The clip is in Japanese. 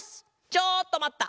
ちょっとまった！